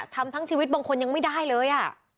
ทำทั้งชีวิตบางคนยังไม่ได้เลย